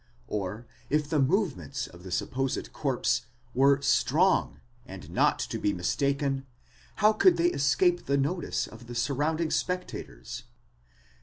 Or, if the move ments of the supposed corpse were strong and not to be mistaken, how could they escape the notice of the surrounding spectators?